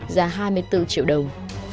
giá hai mươi bốn triệu đồng